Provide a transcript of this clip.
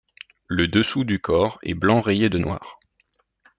Le dessous du corps est blanc rayé de noir.